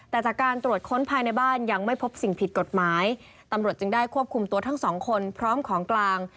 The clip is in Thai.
แต่จากการตรวจค้นภายในบ้านยังไม่พบสิ่งผิดกฎหมายตำรวจจึงได้ควบคุมตัวทั้งสองคนพร้อมของกลาง